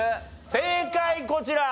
正解こちら。